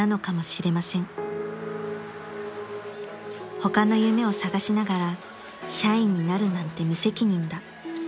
［他の夢を探しながら社員になるなんて無責任だ］